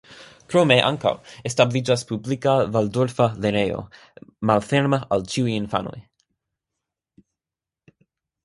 Krome ankaŭ establiĝis publika valdorfa lernejo malferma al ĉiuj infanoj.